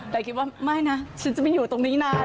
แต่คิดว่าไม่นะฉันจะไม่อยู่ตรงนี้นาน